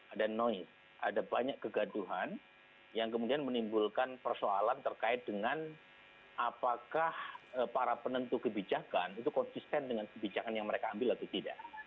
ada noise ada banyak kegaduhan yang kemudian menimbulkan persoalan terkait dengan apakah para penentu kebijakan itu konsisten dengan kebijakan yang mereka ambil atau tidak